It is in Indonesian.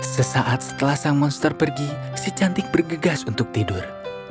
sesaat setelah sang monster pergi si cantik bergegas untuk tidur